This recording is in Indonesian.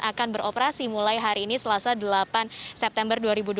akan beroperasi mulai hari ini selasa delapan september dua ribu dua puluh